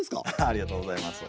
ありがとうございます。